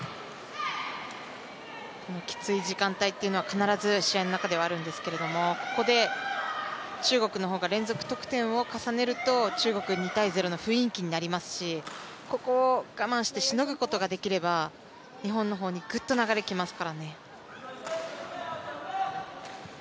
きつい時間帯は必ず試合の中ではあるんですけども、ここで中国の方が連続得点を重ねると、中国２−０の雰囲気になりますしここを我慢してしのぐことができれば日本の方にグッと流れきますからね。